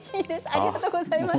ありがとうございます。